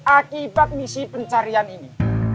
akibat misi pencarian ini